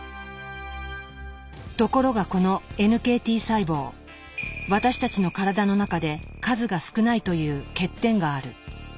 ところがこのＮＫＴ細胞私たちの体の中で数が少ないという欠点がある。